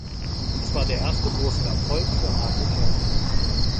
Es war der erste große Erfolg für Hape Kerkeling.